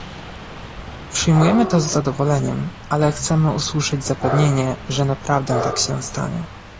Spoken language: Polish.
Przyjmujemy to z zadowoleniem, ale chcemy usłyszeć zapewnienie, że naprawdę tak się stanie